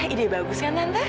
ide bagus kan tante